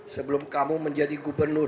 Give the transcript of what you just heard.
sebelum kamu menjadi gubernur